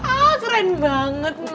ah keren banget mak